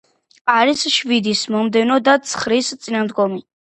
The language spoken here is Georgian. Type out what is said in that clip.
არის შვიდის მომდევნო და ცხრის წინამდგომი.